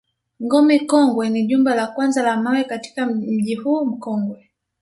Ngome Kongwe ni jumba la kwanza la mawe katika mji huu mkongwe